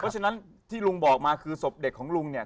เพราะฉะนั้นที่ลุงบอกมาคือศพเด็กของลุงเนี่ย